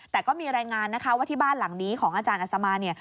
แต่ก็มีรายงานนะคะว่าที่บ้านหลังนี้ของอาจารย์อัศมาเนี่ย